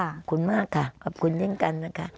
ขอบคุณมากค่ะขอบคุณยิ่งกันนะคะ